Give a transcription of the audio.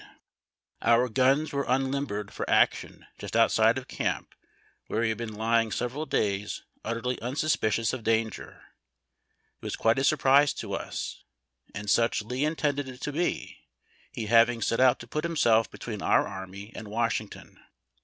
Our guns were unlimbered for action just outside of camp where we had been hdng several days utterly unsuspicious of danger. It was quite a surprise to us ; and such Lee intended it to be, he having set out to put himself between our army and Washington.